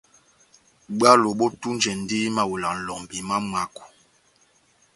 Bwálo bόtunjɛndi mawela lɔmbi má mwako.